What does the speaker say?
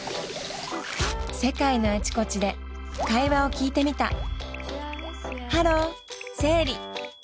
世界のあちこちで会話を聞いてみた。